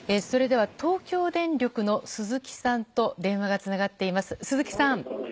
では、東京電力の鈴木さんと電話がつながっています。